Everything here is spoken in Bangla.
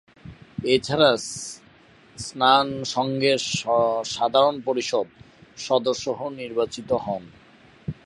এছাড়া সন্ন্যাস সংঘের সাধারণ পরিষদ সদস্যও নির্বাচিত হন।